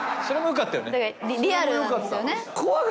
それも良かったよね。